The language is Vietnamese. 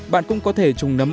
bạn cũng có thể trùng nấm